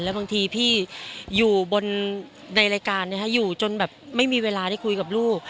บางทีพี่อยู่บนในรายการอยู่จนแบบไม่มีเวลาได้คุยกับลูก